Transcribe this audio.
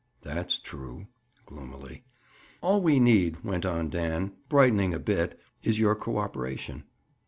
"That's true." Gloomily. "All we need," went on Dan, brightening a bit, "is your cooperation."